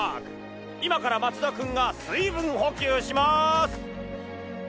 今から松田君が水分補給します！